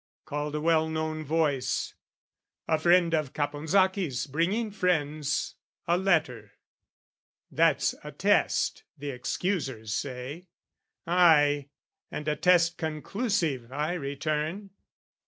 called a well known voice. "A friend of Caponsacchi's bringing friends "A letter." That's a test, the excusers say: Ay, and a test conclusive, I return.